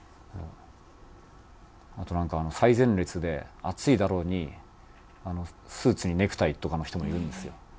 あとなんか最前列で暑いだろうにスーツにネクタイとかの人もいるんですよ。